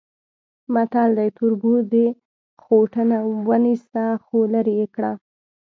متل دی: تربور د خوټونه ونیسه خولرې یې کړه.